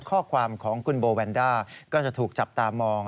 ข้อความของคุณโบแวนด้าก็จะถูกจับตามอง